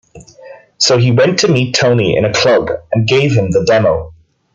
So he went to meet Tony in a club and gave him the demo.